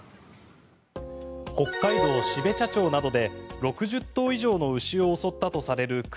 北海道標茶町などで６０頭以上の牛を襲ったとされる熊